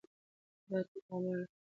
دا ټول اعمال ثابت شوي دي.